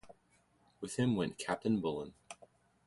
With him went Captain Bullen.